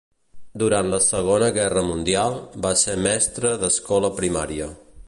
Durant la Segona Guerra Mundial va ser mestre d'escola primària.